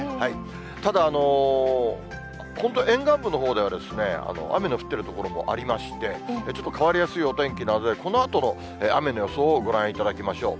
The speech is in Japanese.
ただ、本当、沿岸部のほうでは、雨の降っている所もありまして、ちょっと変わりやすいお天気なので、このあとの雨の予想をご覧いただきましょう。